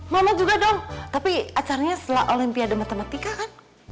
mama juga dong tapi acaranya setelah olimpiade matematika kan